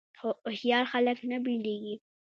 خو هوښیار خلک نه بیلیږي.